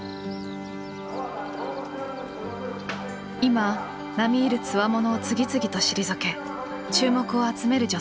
今並み居るつわものを次々と退け注目を集める女性がいます。